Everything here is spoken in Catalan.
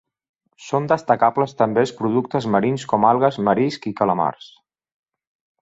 Són destacables també els productes marins com algues, marisc i calamars.